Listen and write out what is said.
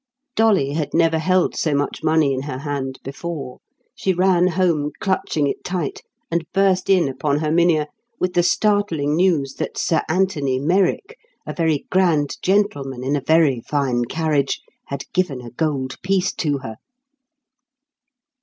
Dolly had never held so much money in her hand before; she ran home, clutching it tight, and burst in upon Herminia with the startling news that Sir Anthony Merrick, a very grand gentleman in a very fine carriage, had given a gold piece to her.